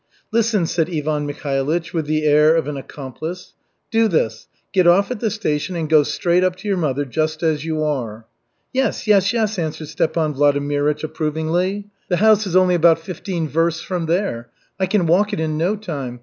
"Listen," said Ivan Mikhailych, with the air of an accomplice. "Do this, get off at the station and go straight up to your mother just as you are." "Yes, yes, yes," answered Stepan Vladimirych approvingly. "The house is only about fifteen versts from there. I can walk it in no time.